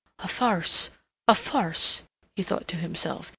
"A farce, a farce," he thought to himself.